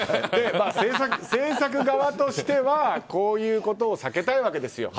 制作側としてはこういうことを避けたいわけですよ。